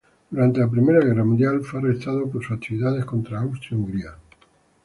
Durante la Primera Guerra Mundial fue arrestado por sus actividades contra Austria-Hungría.